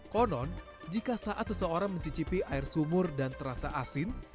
konon jika saat seseorang mencicipi air sumur dan terasa asin